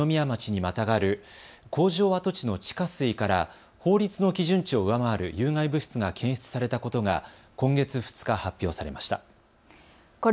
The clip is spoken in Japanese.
神奈川県の小田原市と二宮町にまたがる工場跡地の地下水から法律の基準値を上回る有害物質が検出されたことが今月２日発表されました。